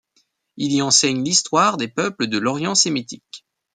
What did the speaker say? Il y enseigne l'histoire des peuples de l'Orient sémitique.